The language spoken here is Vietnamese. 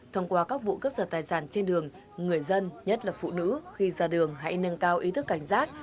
thông qua các vụ cấp giật tài sản trên đường người dân nhất là phụ nữ khi ra đường hãy nâng cao ý thức cảnh giác